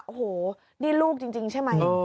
โอ้โหนี่ลูกจริงใช่ไหม